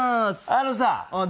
あのさ